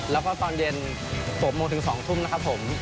แล้วก็ตอนเย็น๖โมงถึง๒ทุ่มนะครับผม